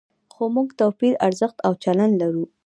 خو موږ توپیري ارزښت او چلند لرو.